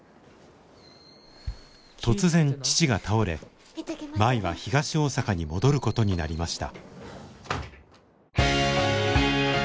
突然父が倒れ舞は東大阪に戻ることになりました。